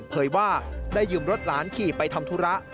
เผยว่าได้ยืมรถหลานขี่ไปทำธุระ